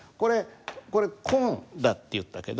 これ「こん」だって言ったけど。